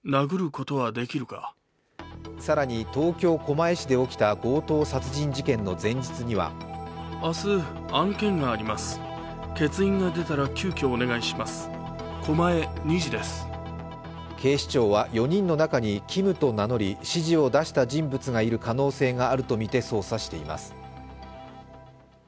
更に、東京・狛江市で起きた強盗殺人事件の前日には警視庁は４人の中にキムと名乗り、指示を出した人物がいる可能性があるとみて捜査しています。